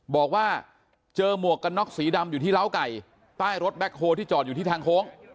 บอกว่าเจอหมวกกันน็อกสีดำอยู่ที่ล้าวไก่ใต้รถแบ็คโฮที่จอดอยู่ที่ทางโค้ง